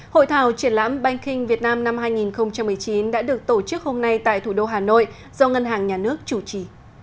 hội thảo triển lãm banking việt nam năm hai nghìn một mươi chín đã được tổ chức hôm nay tại thủ đô hà nội do ngân hàng nhà nước chủ trì